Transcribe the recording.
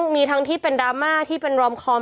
มีทั้งที่เป็นดราม่าที่เป็นรอมคอม